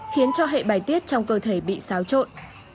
khiến cho hệ bài tiết trong cơ thể bị xáo trộn